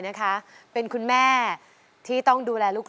รายการต่อไปนี้เป็นรายการทั่วไปสามารถรับชมได้ทุกวัย